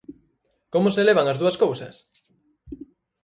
Como se levan as dúas cousas?